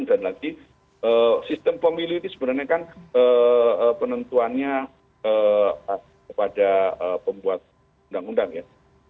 dan lagi sistem pemilu itu sebenarnya kan penentuannya kepada pembuat undang undang ya